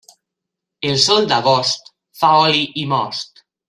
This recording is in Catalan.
El sol d'agost fa oli i most.